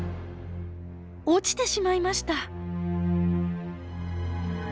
落ちてしまいました。